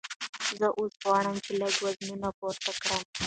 زه اوس غواړم چې لږ وزنونه پورته کړم.